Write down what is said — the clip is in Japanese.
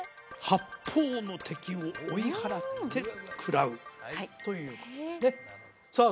八方の敵を追い払って食らうということですねさあ